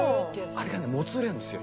あれがねもつれるんですよ。